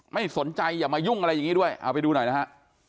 ไม่สนใจอย่ามายุ่งอะไรอย่างนี้ด้วยเอาไปดูหน่อยนะฮะ